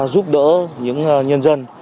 giúp đỡ những nhân dân